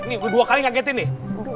ngiku dua kali ngagetin nih